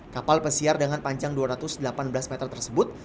kapal pesiar dengan panjang dua ratus delapan belas meter tersebut